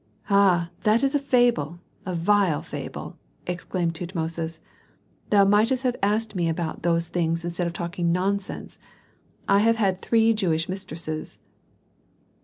"And that is a fable, a vile fable!" exclaimed Tutmosis. "Thou mightst have asked me about those things instead of talking nonsense. I have had three Jewish mistresses."